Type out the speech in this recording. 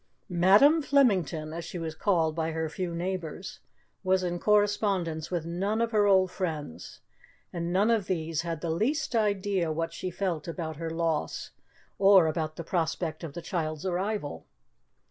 'Madam' Flemington, as she was called by her few neighbours, was in correspondence with none of her old friends, and none of these had the least idea what she felt about her loss or about the prospect of the child's arrival.